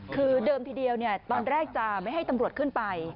คือเดิมทีเดียวตอนแรกจะไม่ให้ตำรวจขึ้นไป